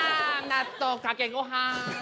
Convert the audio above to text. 納豆かけごはん？